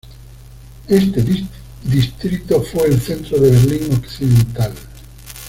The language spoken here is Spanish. Este distrito fue el centro de Berlín Occidental.